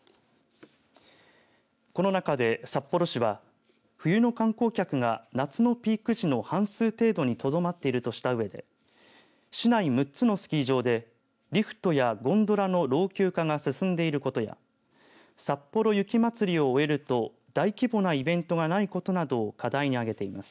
この中で札幌市は冬の観光客が夏のピーク時の半数程度にとどまっているとしたうえで市内６つのスキー場でリフトやゴンドラの老朽化が進んでいることやさっぽろ雪まつりを終えると大規模なイベントがないことなどを課題に挙げています。